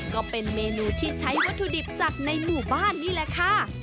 ก็เป็นเมนูที่ใช้วัตถุดิบจากในหมู่บ้านนี่แหละค่ะ